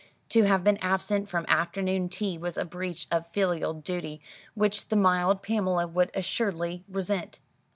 To have been absent from afternoon tea was a breach of filial duty which the mild Pamela would assuredly resent.